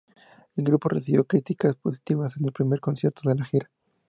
El grupo recibió críticas positivas en el primer concierto de la gira.